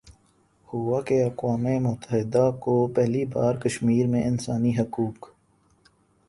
ہوا کہ اقوام متحدہ کو پہلی بار کشمیرمیں انسانی حقوق